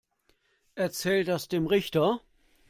Erzähl das dem Richter.